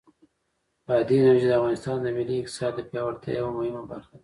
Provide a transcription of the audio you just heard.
بادي انرژي د افغانستان د ملي اقتصاد د پیاوړتیا یوه مهمه برخه ده.